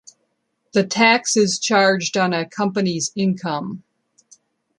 The tax is charged on a company's income.